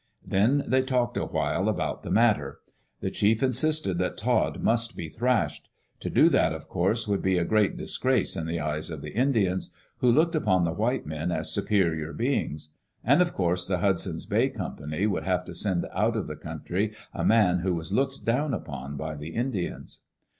Then they talked a while about the matter. The chief insisted that Todd must be thrashed. To do that, of course, would be a great disgrace in the eyes of the Indians, who looked upon the white men as superior beings. And of course the Hudson's Bay Company would have to send out of the country a man who was looked down upon by the Indians.